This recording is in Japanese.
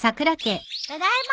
ただいま。